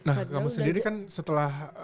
nah kamu sendiri kan setelah